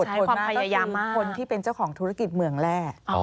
อดทนมากก็คือคนที่เป็นเจ้าของธุรกิจเมืองแร่